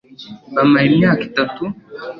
bamara imyaka itatu